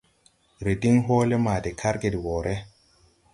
Re diŋ hɔɔle ma de karge de wɔɔre.